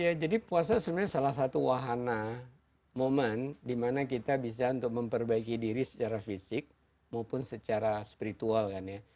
ya jadi puasa sebenarnya salah satu wahana momen dimana kita bisa untuk memperbaiki diri secara fisik maupun secara spiritual kan ya